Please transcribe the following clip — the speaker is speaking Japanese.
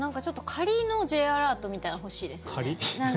仮のＪアラートみたいなの欲しいですよね。